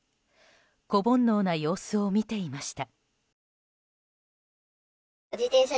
子煩悩な様子を見ていました。